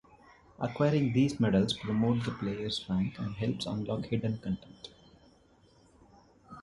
Acquiring these medals promotes the player's rank and helps unlock hidden content.